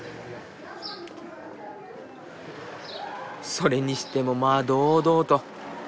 それにしてもまあ堂々と。